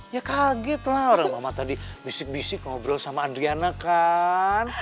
ya kaget lah orang mama tadi bisik bisik ngobrol sama adriana kan